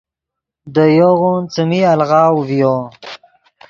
دے یوغون څیمی الغاؤ ڤیو۔